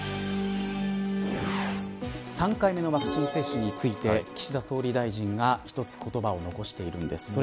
３回目のワクチン接種について岸田総理大臣が、１つ言葉を残しているんです。